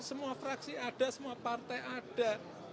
semua fraksi ada semua partai ada